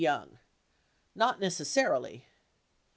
Mr. DeYoung. Not necessarily.